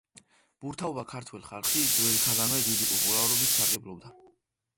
ბურთაობა ქართველ ხალხში ძველთაგანვე დიდი პოპულარობით სარგებლობდა.